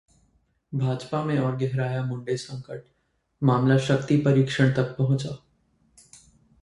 भाजपा में और गहराया मुंडे संकट, मामला शक्ति परीक्षण तक पंहुचा